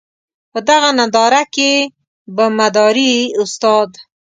په دغه ننداره کې به مداري استاد.